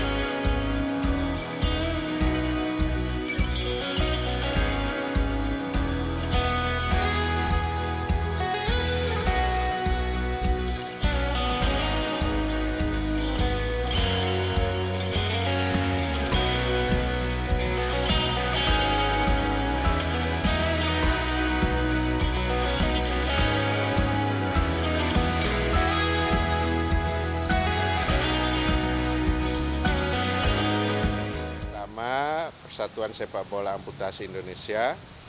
bersama persatuan sepak bola amputasi indonesia